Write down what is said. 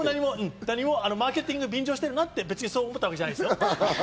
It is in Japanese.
マーケティングに便乗してるなって思ったわけじゃないですよ。